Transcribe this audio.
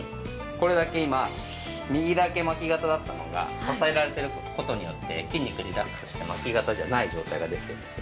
これだけ今右だけ巻き肩だったのが支えられてる事によって筋肉がリラックスして巻き肩じゃない状態ができてるんです。